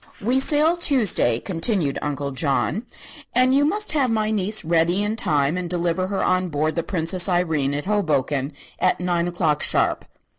"We sail Tuesday," continued Uncle John, "and you must have my niece ready in time and deliver her on board the 'Princess Irene' at Hoboken at nine o'clock, sharp."